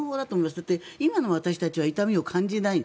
だって今の私たちは痛みを感じない。